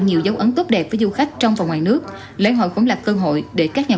nhiều dấu ấn tốt đẹp với du khách trong và ngoài nước lễ hội cũng là cơ hội để các nhà